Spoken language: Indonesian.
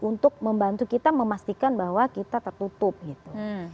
untuk membantu kita memastikan bahwa kita tertutup gitu